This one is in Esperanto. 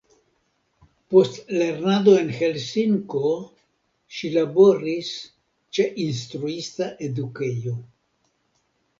Post lernado en Helsinko ŝi laboris ĉe instruista edukejo.